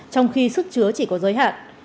trong khi sức chứa chỉ có giới hạn